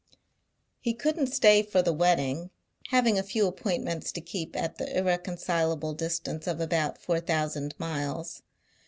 He couldn't stay for the wedding, having a few appointments to keep at the irreconcilable distance of about four thousand miles.